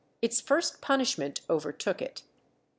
its first punishment overtook it.